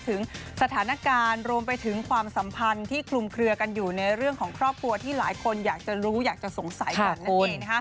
ถึงสถานการณ์รวมไปถึงความสัมพันธ์ที่คลุมเคลือกันอยู่ในเรื่องของครอบครัวที่หลายคนอยากจะรู้อยากจะสงสัยกันนั่นเอง